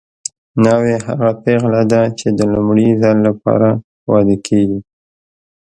ناوې هغه پېغله ده چې د لومړي ځل لپاره واده کیږي